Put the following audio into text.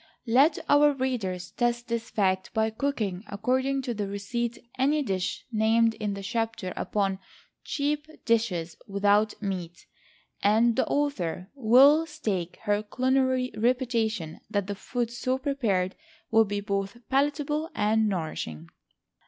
Let our readers test this fact by cooking according to the receipt any dish named in the chapter upon "CHEAP DISHES WITHOUT MEAT," and the author will stake her culinary reputation that the food so prepared will be both palatable and nourishing.